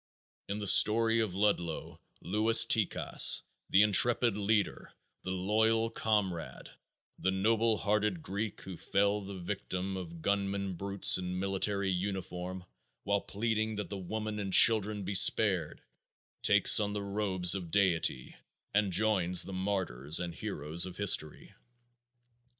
In the story of Ludlow, Louis Tikas, the intrepid leader, the loyal comrade, the noble hearted Greek who fell the victim of gunmen brutes in military uniform while pleading that the women and children be spared, takes on the robes of deity and joins the martyrs and heroes of history.